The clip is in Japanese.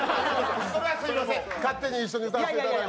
それはすいません、勝手に一緒に歌わせていただいて。